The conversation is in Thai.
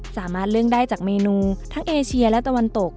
สามารถเลือกได้จากเมนูทั้งเอเชียและตะวันตก